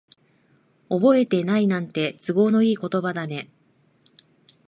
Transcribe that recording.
覚えてないなんて、都合のいい言葉だね。